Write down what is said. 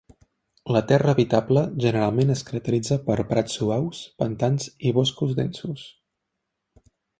La terra habitable generalment es caracteritza per prats suaus, pantans i boscos densos.